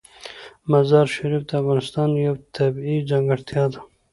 مزارشریف د افغانستان یوه طبیعي ځانګړتیا ده.